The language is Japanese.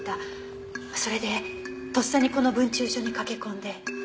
それでとっさにこの分駐所に駆け込んで。